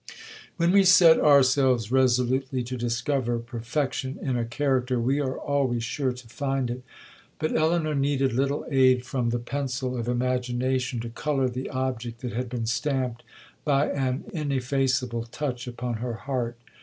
'When we set ourselves resolutely to discover perfection in a character, we are always sure to find it. But Elinor needed little aid from the pencil of imagination to colour the object that had been stamped by an ineffaceable touch upon her heart.